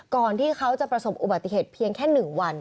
ก่อนที่เขาจะประสบอุบัติเหตุเพียงแค่๑วัน